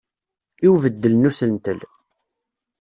I ubeddel n usentel.